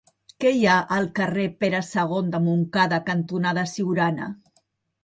Què hi ha al carrer Pere II de Montcada cantonada Siurana?